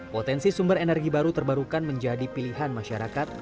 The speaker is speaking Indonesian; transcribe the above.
potensi sumber energi baru terbarukan menjadi pilihan masyarakat